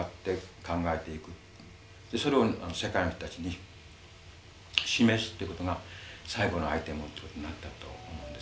それを世界の人たちに示すってことが最後のアイテムとなったと思うんですね。